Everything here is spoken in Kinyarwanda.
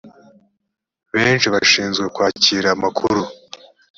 benshi bashinzwe kwakira amakuru